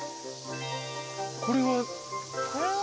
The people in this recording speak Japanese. これは。